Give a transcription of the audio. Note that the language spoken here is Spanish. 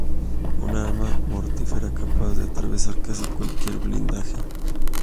Un arma mortífera capaz de atravesar casi cualquier blindaje.